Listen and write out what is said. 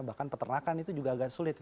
bahkan peternakan itu juga agak sulit